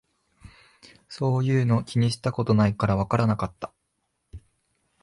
そういうの気にしたことないからわからなかった